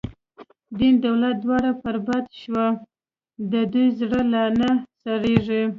دین دولت دواړه بر باد شو، د ده زړه لا نه سړیږی